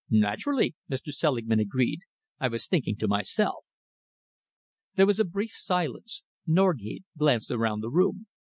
"Naturally," Mr. Selingman agreed. "I was thinking to myself." There was a brief silence. Norgate glanced around the room.